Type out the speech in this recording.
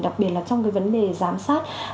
đặc biệt là trong cái vấn đề giám sát